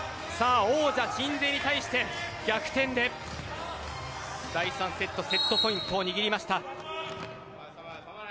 王者・鎮西に対して逆転して第３セットセットポイントを握りました。